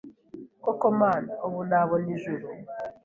Koko Mana ubu nabona ijuru